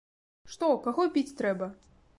Што, каго біць трэба?